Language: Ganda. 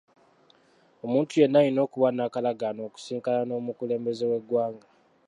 Omuntu yenna alina okuba n'akalagaane okusisinkana n'omukulembeze w'eggwanga.